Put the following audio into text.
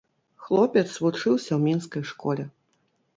Хлопец вучыўся ў мінскай школе.